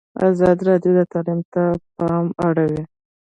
ازادي راډیو د تعلیم ته پام اړولی.